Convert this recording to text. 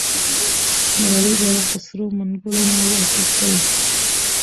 ملالۍ بیرغ په سرو منګولو نه و اخیستی.